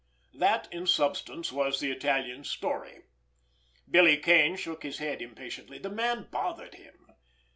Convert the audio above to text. That, in substance, was the Italian's story. Billy Kane shook his head impatiently. The man bothered him.